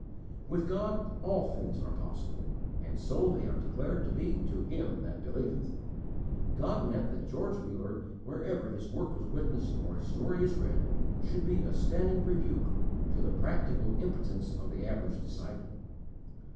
With God all things are possible, and so are they declared to be to him that believeth. God meant that George Muller, wherever his work was witnessed or his story is read, should be a standing rebuke, to the _practical impotence of the average disciple.